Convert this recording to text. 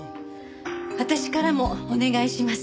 私からもお願いします。